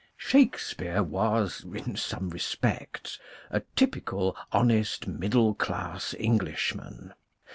Shakespeare was in some respects a typical honest middle class Englishman.